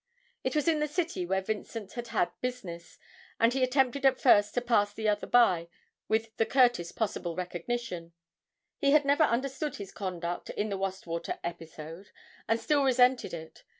It was in the City, where Vincent had had business, and he attempted at first to pass the other by with the curtest possible recognition; he had never understood his conduct in the Wastwater episode, and still resented it.